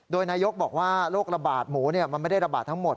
โดยนายกบอกว่าโรคระบาดหมูมันไม่ได้ระบาดทั้งหมด